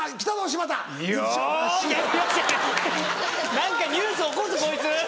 何かニュース起こすこいつ。